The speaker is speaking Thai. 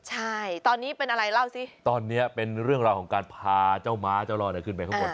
ใช่ตอนนี้เป็นอะไรเล่าสิตอนนี้เป็นเรื่องราวของการพาเจ้าม้าเจ้าล่อเนี่ยขึ้นไปข้างบน